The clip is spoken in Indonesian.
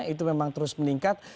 itu memang terus meningkat